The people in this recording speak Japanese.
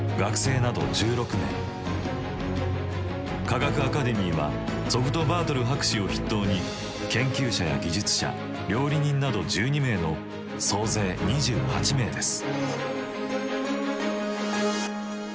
科学アカデミーはツォグトバートル博士を筆頭に研究者や技術者料理人など１２名の総勢２８名です。